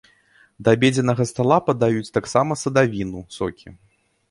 Да абедзеннага стала падаюць таксама садавіну, сокі.